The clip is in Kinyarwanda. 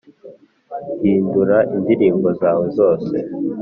hindura indirimbo zawe zose